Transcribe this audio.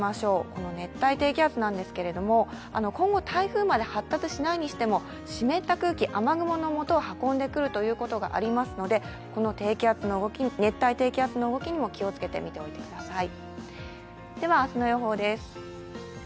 この熱帯低気圧ですが、今後台風まで発達しないにしても湿った空気、雨雲のもとを運んでくることがありますのでこの熱帯低気圧の動きも気をつけて見ておいてください。